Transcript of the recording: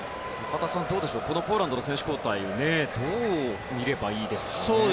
中田さん、ポーランドの選手交代どう見ればいいですかね。